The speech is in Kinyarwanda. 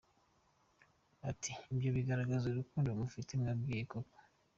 Ati “Ibyo bigaragaza urukundo mufite nk’ababyeyi koko”.